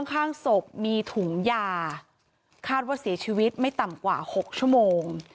ข้างศพมีถุงยาคาดว่าเสียชีวิตไม่ต่ำกว่า๖ชั่วโมง